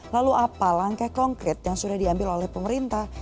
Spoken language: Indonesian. lalu apa langkah konkret yang sudah diambil oleh pemerintah